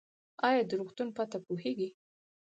ایا د روغتون پته پوهیږئ؟